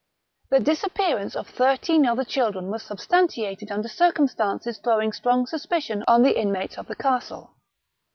The disappearance of thirteen other children was substantiated under circumstances throwing strong suspicion on the inmates of the castle.